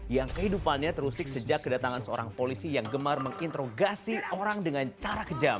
yang kehidupannya terusik sejak kedatangan seorang polisi yang gemar menginterogasi orang dengan cara kejam